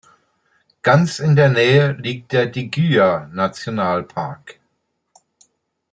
Ganz in der Nähe liegt der Digya-Nationalpark.